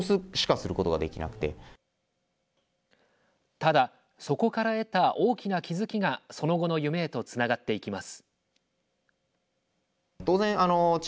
ただ、そこから得た大きな気付きがその後の夢へとつながっていきます。